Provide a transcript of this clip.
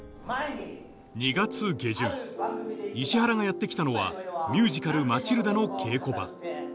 ２月下旬石原がやって来たのはミュージカル『マチルダ』の稽古場